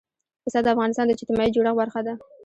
پسه د افغانستان د اجتماعي جوړښت برخه ده.